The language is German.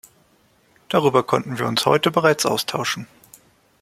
Darüber konnten wir uns heute bereits austauschen.